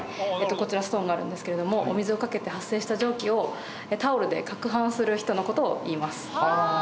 こちらストーンがあるんですけれどもお水をかけて発生した蒸気をタオルでかくはんする人のことをいいます。